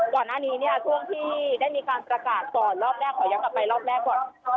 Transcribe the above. ก่อนหน้านี้เนี่ยช่วงที่ได้มีการประกาศก่อนรอบแรกขอย้อนกลับไปรอบแรกก่อน